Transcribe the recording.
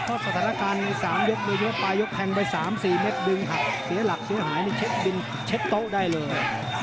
เพราะสถานการณ์ใน๓ยกในยกปลายยกแทงไป๓๔เม็ดดึงหักเสียหลักเสียหายนี่เช็คบินเช็ดโต๊ะได้เลย